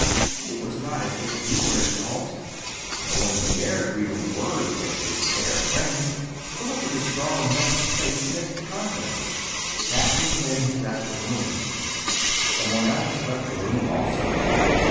It was not as if he were at fault; no one dared breathe a word against his fair fame. To look at his strong, handsome face meant confidence. That was when he left the room. Some one else had left the room also.